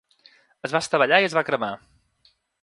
Es va estavellar i es va cremar